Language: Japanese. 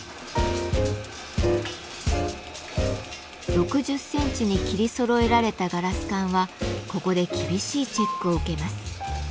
６０センチに切りそろえられたガラス管はここで厳しいチェックを受けます。